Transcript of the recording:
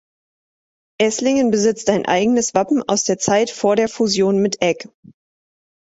Esslingen besitzt ein eigenes Wappen aus der Zeit vor der Fusion mit Egg.